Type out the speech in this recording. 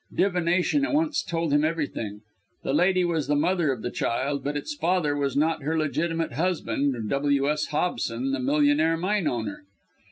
Divination at once told him everything the lady was the mother of the child, but its father was not her legitimate husband, W.S. Hobson, the millionaire mine owner.